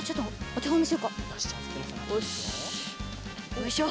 よいしょ！